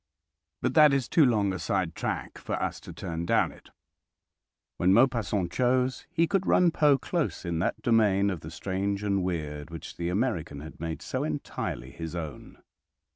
But that is too long a side track for us to turn down it. When Maupassant chose he could run Poe close in that domain of the strange and weird which the American had made so entirely his own.